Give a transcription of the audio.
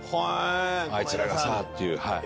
「あいつらがさ」っていう。